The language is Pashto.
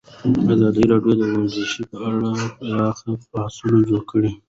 ازادي راډیو د ورزش په اړه پراخ بحثونه جوړ کړي.